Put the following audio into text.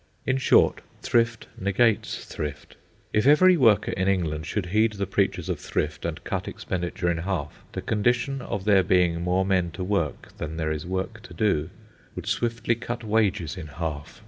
In short, thrift negates thrift. If every worker in England should heed the preachers of thrift and cut expenditure in half, the condition of there being more men to work than there is work to do would swiftly cut wages in half.